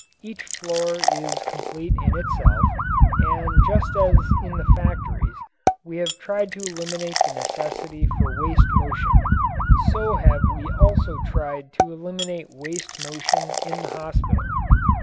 Each floor is complete in itself, and just as in the factories we have tried to eliminate the necessity for waste motion, so have we also tried to eliminate waste motion in the hospital.